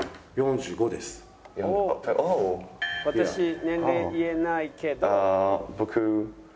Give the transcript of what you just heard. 「私年齢言えないけど」。